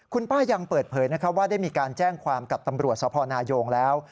คุณป้ายังเปิดเผยว่าได้มีการแจ้งความกับตำรวจสพนายงแล้ว